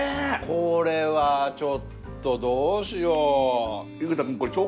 これはちょっとどうしよう。